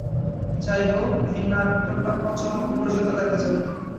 যাই হোক, এ নাট্যটা পঞ্চম অঙ্ক পর্যন্ত দেখা যাক।